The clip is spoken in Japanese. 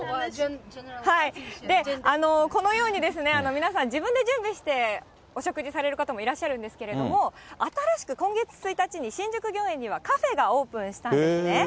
このように皆さん、自分で準備してお食事される方もいらっしゃるんですけれども、新しく今月１日に新宿御苑にはカフェがオープンしたんですね。